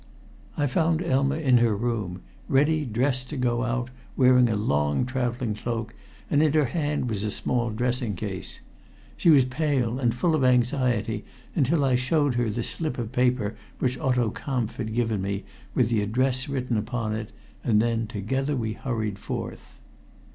I found Elma in her room, ready dressed to go out, wearing a long traveling cloak, and in her hand was a small dressing case. She was pale and full of anxiety until I showed her the slip of paper which Otto Kampf had given me with the address written upon it, and then together we hurried forth.